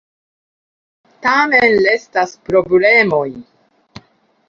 Tamen restas problemoj.